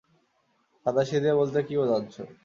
সাদাসিধে বলতে কী বোঝাচ্ছো?